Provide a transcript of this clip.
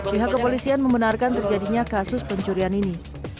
pihak kepolisian membenarkan terjadinya kasus pencurian ini